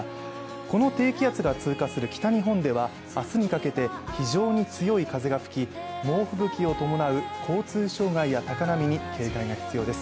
この低気圧が通過する北日本では明日にかけて非常に強い風が吹き猛吹雪を伴う交通障害や高波に警戒が必要です。